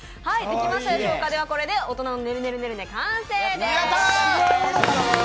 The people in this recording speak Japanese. これで大人のねるねるねるね、完成です。